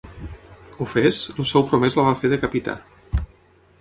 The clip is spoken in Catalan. Ofès, el seu promès la va fer decapitar.